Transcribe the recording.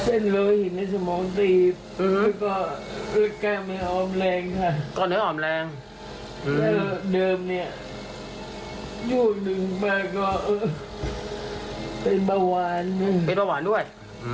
เอามาให้เอาครั้งแรกเลย๓เมืองก็บอกว่าเอาอย่างนี้